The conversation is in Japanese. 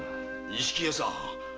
錦屋さん！